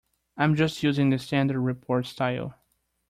I'm just using the standard report style.